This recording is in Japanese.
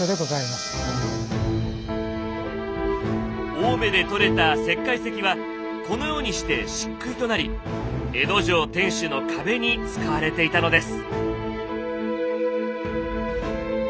青梅で採れた石灰石はこのようにして漆喰となり江戸城天守の壁に使われていたのです。